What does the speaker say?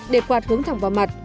để quạt hướng thẳng vào mặt